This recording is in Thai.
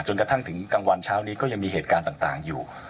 กระทั่งถึงกลางวันเช้านี้ก็ยังมีเหตุการณ์ต่างอยู่